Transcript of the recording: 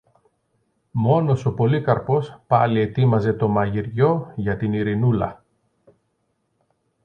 Μόνος ο Πολύκαρπος πάλι ετοίμαζε το μαγειριό για την Ειρηνούλα.